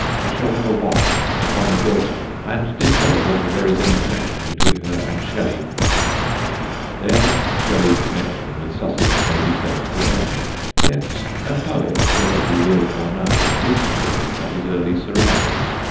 I shall have a watch upon the daughter and discover whether there is any Connection between her and Shelley." [Sidenote: "THE SUSSEX MUSE"] There Shelley's connection with Sussex may be said to end. Yet a poet, whether he will or no, is shaped by his early surroundings.